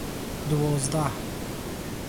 Дувоздаҳ